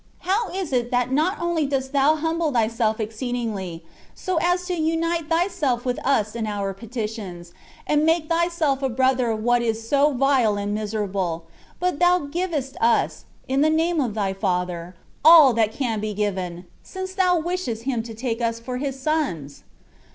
How is it, that not only dost Thou humble Thyself exceed ingly, so as to unite Thyself with us in our peti tions, and make Thyself a Brother of what is so vile and miserable, but Thou givest us, in the name of Thy Father, all that can be given, since Thou wishest Him to take us for His sons